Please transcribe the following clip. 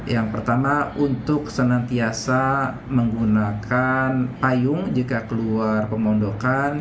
yang pertama untuk senantiasa menggunakan payung jika keluar pemondokan